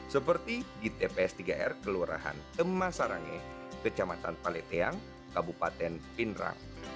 seperti di tps tiga r kelurahan temasarange kecamatan paletheang kabupaten pindrang